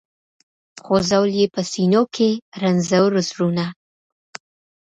خو ځول یې په سینو کي رنځور زړونه